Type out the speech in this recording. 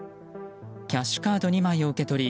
キャッシュカード２枚を受け取り